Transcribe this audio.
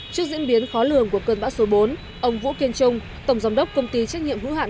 trước diễn biến khó lường của cơn bão số bốn ông vũ kiên trung tổng giám đốc công ty trách nhiệm hữu hạn